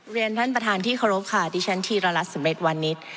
เรียนท่านประธานที่เคารพค่ะดิฉันธีระลักษณ์๑๑วันนี้